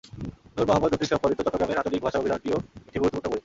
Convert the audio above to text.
নূর মোহাম্মদ রফিক সম্পাদিত চট্টগ্রামের আঞ্চলিক ভাষার অভিধানটিও একটি গুরুত্বপূর্ণ বই।